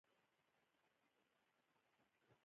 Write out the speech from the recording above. لوبې د اولسونو ترمنځ دوستي زیاتوي.